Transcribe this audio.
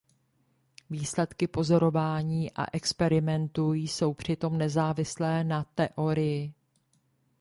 Výsledky pozorování a experimentu jsou přitom nezávislé na teorii.